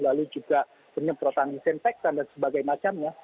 lalu juga penyemprotan disinfektan dan sebagainya